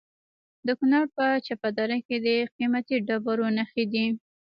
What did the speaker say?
د کونړ په چپه دره کې د قیمتي ډبرو نښې دي.